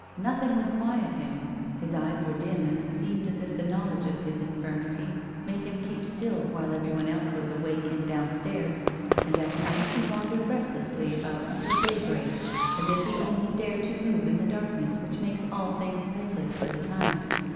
Nothing would quiet him ; his eyes were dim and it seemed as if the knowledge of his infirmity made him keep still while everyone else was awake and downstairs, and at night he wandered restlessly about until daybreak, as if he only dared to move in the darkness which makes all beings sightless for the time.